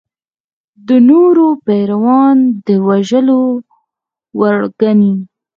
د نورو پیروان د وژلو وړ ګڼي.